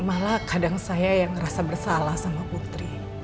malah kadang saya yang ngerasa bersalah sama putri